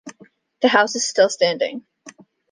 The house is still standing.